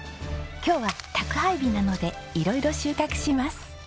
今日は宅配日なので色々収穫します。